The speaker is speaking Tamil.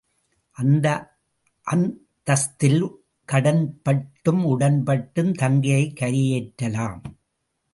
அந்த அந்தஸ்த்தில் கடன்பட்டும், உடன்பட்டும் தங்கையைக் கரையேற்றலாம்.